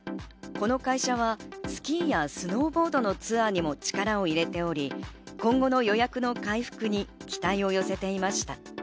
この会社はスキーやスノーボードのツアーにも力を入れており、今後の予約の回復に期待を寄せていました。